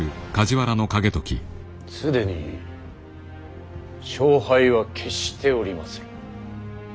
既に勝敗は決しておりまする。